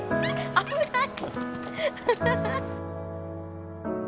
危ない！